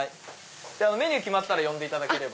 メニュー決まったら呼んでいただければ。